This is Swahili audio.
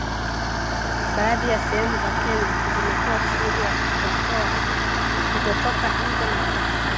Baadhi ya sehemu za Kenya zimekuwa chini ya amri ya kutotoka nje na kutembea usiku